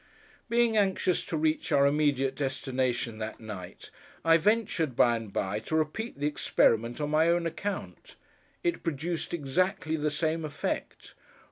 Being anxious to reach our immediate destination that night, I ventured, by and by, to repeat the experiment on my own account. It produced exactly the same effect.